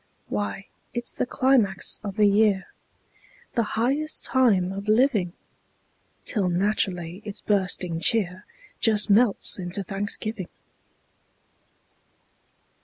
Why, it's the climax of the year, The highest time of living! Till naturally its bursting cheer Just melts into thanksgiving.